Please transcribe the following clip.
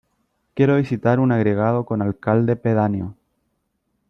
Quiero visitar un agregado con alcalde pedáneo.